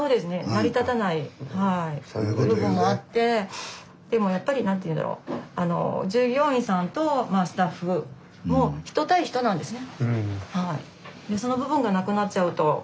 成り立たない部分もあってでもやっぱり何ていうんだろう従業員さんとスタッフもそうですね。